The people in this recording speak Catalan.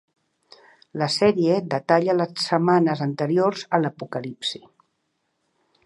La sèrie detalla les setmanes anteriors a l'apocalipsi.